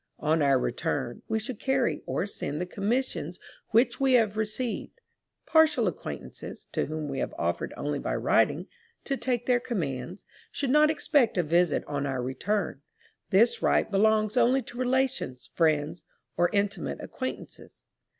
On our return, we should carry or send the commissions which we have received. Partial acquaintances, to whom we have offered only by writing, to take their commands, should not expect a visit on our return; this right belongs only to relations, friends, or intimate acquaintances.